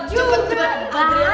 adriana udah terima